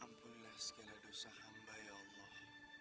ampunilah segala dosa hamba ya allah